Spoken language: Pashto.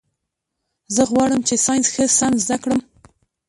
زه غواړم چي ساینس ښه سم زده کړم.